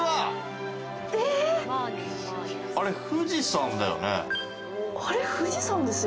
あれ、富士山だよね？